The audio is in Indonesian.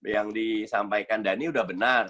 yang disampaikan dhani udah benar